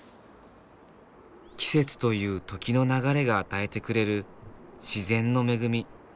「季節」という時の流れが与えてくれる自然の恵み。